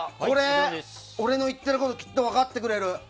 俺の言ってることきっと分かってくれる。